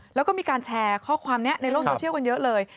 แล้วก็มีการแชร์ข้อความนี้ในโลกโซเชียลกันเยอะเลย